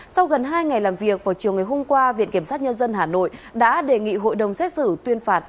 sau gần hai ngày làm việc vào chiều ngày hôm qua viện kiểm sát nhân dân hà nội đã đề nghị hội đồng xét xử tuyên phạt